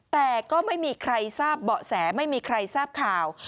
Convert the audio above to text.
แต่ก็ไม่มีใครทราบเบาะแสไม่มีใครทราบข่าว